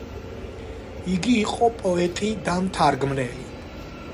იგი იყო პოეტი და მთარგმნელი.